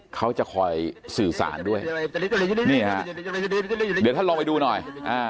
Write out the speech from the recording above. เขาจะคอยสื่อสารด้วยนี่ฮะเดี๋ยวท่านลองไปดูหน่อย